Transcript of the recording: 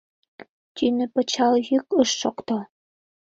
Тӱнӧ пычал йӱк ыш шокто.